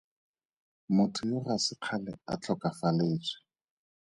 Motho yo ga se kgale a tlhokafaletswe.